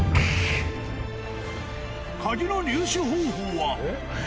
鍵の入手方法は？